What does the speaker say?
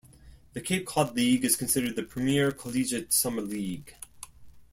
The Cape Cod League is considered the premier collegiate summer league.